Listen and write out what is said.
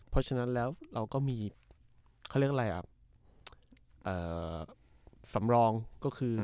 เพราะฉะนั้นแล้วเราก็มีเขาเรียกอะไรอ่ะสำรองก็คือ